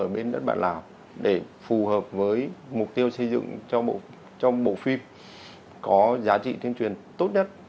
bên đất bạn lào để phù hợp với mục tiêu xây dựng trong bộ phim có giá trị tuyên truyền tốt nhất